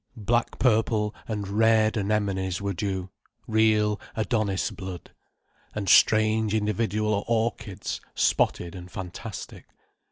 Black purple and red anemones were due, real Adonis blood, and strange individual orchids, spotted and fantastic.